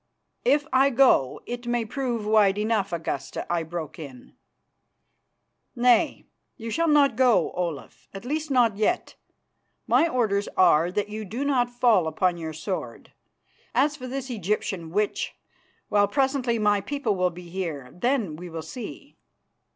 "If I go it may prove wide enough, Augusta," I broke in. "Nay, you shall not go, Olaf, at least not yet. My orders are that you do not fall upon your sword. As for this Egyptian witch, well, presently my people will be here; then we will see."